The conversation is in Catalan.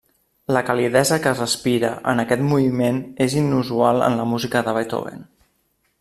La calidesa que es respira en aquest moviment és inusual en la música de Beethoven.